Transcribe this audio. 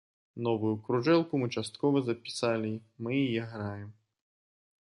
Новую кружэлку мы часткова запісалі, мы яе граем.